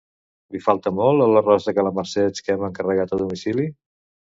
Li falta molt a l'arròs de calamarsets que hem encarregat a domicili?